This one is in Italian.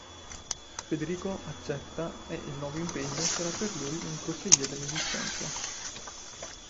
Federico accetta e il nuovo impegno sarà per lui un crocevia dell'esistenza.